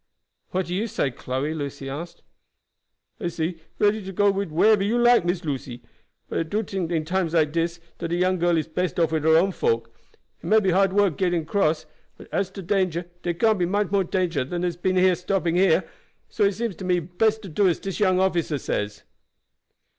"What do you say, Chloe?" Lucy asked. "I'se ready to go wid you whereber you like, Miss Lucy; but I do tink dat in times like dis dat a young gal is best wid her own folk. It may be hard work getting across, but as to danger dar can't be much more danger than dar has been in stopping along here, so it seems to me best to do as dis young officer says."